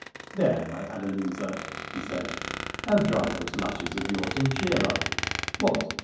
'There, my Adeliza,' he said; 'now dry those lashes of yours and cheer up. What